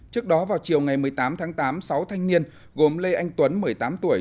trước đó vào chiều ngày một mươi tám tháng tám sáu thanh niên gồm lê anh tuấn một mươi tám tuổi